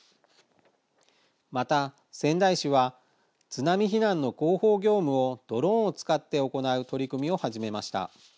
また仙台市は津波避難の広報業務をドローンを使って行う取り組みを始めました。